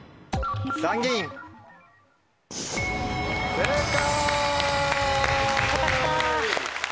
正解！